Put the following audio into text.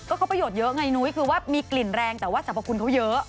เขาประโยชน์เยอะไงนุ้ยคือว่ามีกลิ่นแรงแต่ว่าสรรพคุณเขาเยอะ